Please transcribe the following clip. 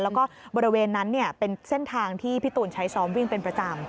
แล้วก็บริเวณนั้นเป็นเส้นทางที่พี่ตูนใช้ซ้อมวิ่งเป็นประจำ